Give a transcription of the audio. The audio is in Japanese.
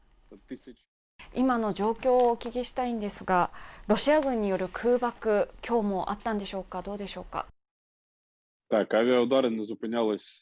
今の状況をお聞きしたいんですが、ロシア軍による空爆、今日もあったんでしょうか、どうでしょうか？